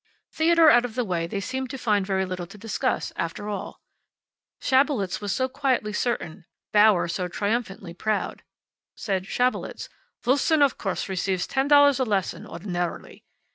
Theodore out of the way, they seemed to find very little to discuss, after all. Schabelitz was so quietly certain, Bauer so triumphantly proud. Said Schabelitz, "Wolfsohn, of course, receives ten dollars a lesson ordinarily."